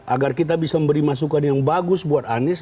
agar kita bisa memberi masukan yang bagus buat anies